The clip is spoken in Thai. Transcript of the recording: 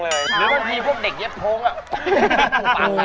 เด็กเย็บโพงอ่ะ